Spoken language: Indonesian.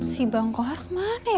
si bang kohar kemana ya